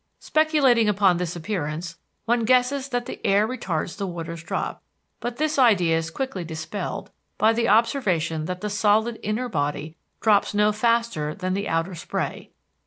Speculating upon this appearance, one guesses that the air retards the water's drop, but this idea is quickly dispelled by the observation that the solid inner body drops no faster than the outer spray.